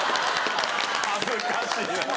恥ずかしいな。